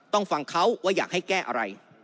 ต้องฟังเขาว่าอยากให้แก้อะไร